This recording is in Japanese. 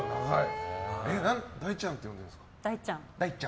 だいちゃんって呼んでるんですか？